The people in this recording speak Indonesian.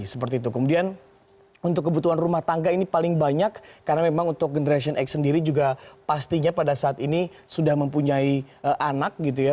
seperti itu kemudian untuk kebutuhan rumah tangga ini paling banyak karena memang untuk generation x sendiri juga pastinya pada saat ini sudah mempunyai anak gitu ya